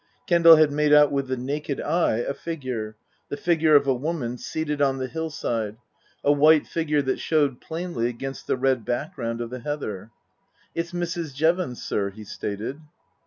Kendal had made out with the naked eye a figure, the figure of a woman, seated on the hillside, a white figure that showed plainly against the red background of the heather. " It's Mrs. Jevons, sir," he stated.